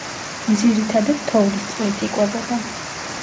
ძირითადად თოვლის წყლით იკვებება.